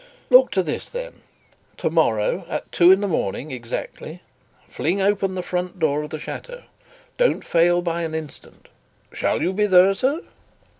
"Look to this, then. Tomorrow, at two in the morning exactly, fling open the front door of the chateau. Don't fail by an instant." "Shall you be there, sir?"